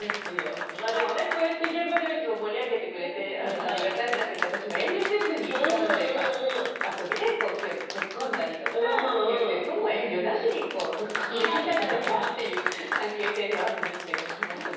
でも現場ではいつも盛り上げてくれてありがたいなと思うので私も遠慮せずに遊びで強く突っ込んだり竜星君も遠慮なしに突っ込んできたりとかいう関係性はあるんです。